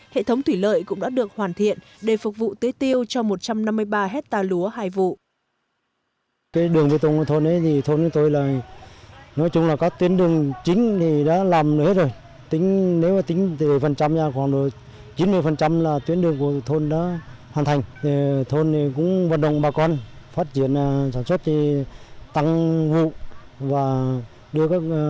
hệ thống thủy lợi cũng đã được hoàn thiện để phục vụ tế tiêu cho một trăm năm mươi ba hectare lúa hài vụ